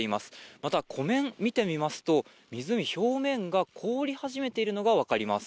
また、湖面を見てみますと湖表面が凍り始めているのが分かります。